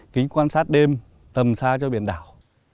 kính quan sát đêm tầm xa cho biển đảo